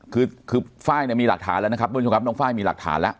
คือคือไฟล์เนี่ยมีหลักฐานแล้วนะครับทุกผู้ชมครับน้องไฟล์มีหลักฐานแล้ว